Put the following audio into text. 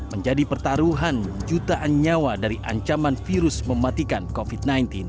menjadi pertaruhan jutaan nyawa dari ancaman virus mematikan covid sembilan belas